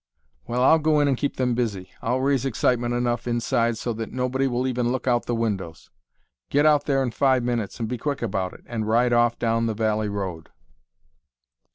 "Well, I'll go in and keep them busy. I'll raise excitement enough inside so that nobody will even look out of the windows. Get out there in five minutes, be quick about it, and ride off down the valley road."